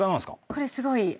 すごい。